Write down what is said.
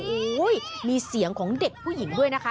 โอ้โหมีเสียงของเด็กผู้หญิงด้วยนะคะ